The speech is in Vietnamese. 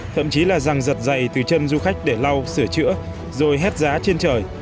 thậm chí là ràng giật giày từ chân du khách để lau sửa chữa rồi hết giá trên trời